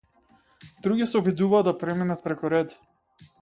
Други се обидуваа да преминат преку ред.